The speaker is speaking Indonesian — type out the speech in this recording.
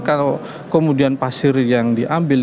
kalau kemudian pasir yang diambil